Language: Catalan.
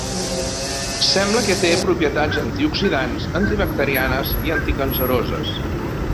Sembla que té propietats antioxidants, antibacterianes i anticanceroses.